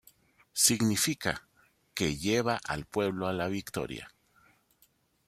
Significa ""que lleva al pueblo a la victoria"".